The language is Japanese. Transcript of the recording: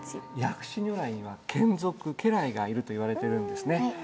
薬師如来には眷属家来がいるといわれてるんですね。